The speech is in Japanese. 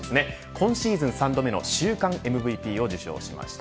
今シーズン３度目の週間ＭＶＰを受賞しました。